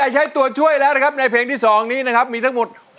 ช่วงช่วยครับเรามีให้ทั้งหมด